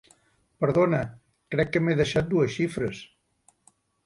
Perdona, crec que m'he deixat dues xifres!